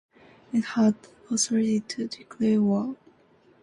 it has the authority to declare war.